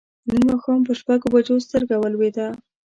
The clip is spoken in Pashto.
نن ماښام پر شپږو بجو سترګه ولوېده.